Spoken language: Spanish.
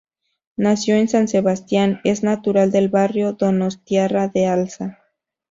Nacido en San Sebastián, es natural del barrio donostiarra de Alza.